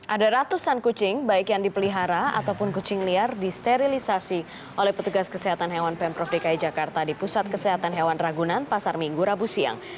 ada ratusan kucing baik yang dipelihara ataupun kucing liar disterilisasi oleh petugas kesehatan hewan pemprov dki jakarta di pusat kesehatan hewan ragunan pasar minggu rabu siang